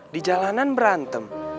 di jalanan berantem